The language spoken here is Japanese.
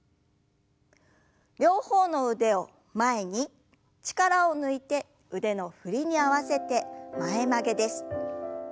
両方の腕を前に力を抜いて腕の振りに合わせて前曲げです。